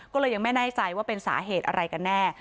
ก็เลยยังไม่แน่ใจว่าเป็นสาเหตุอะไรกันแน่